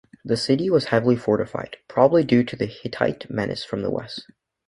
The city was heavily fortified, probably due to the Hittite menace from the west.